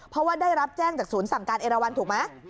เพราะว่าได้รับแจ้งจากศูนย์สั่งการเอราวันถูกไหม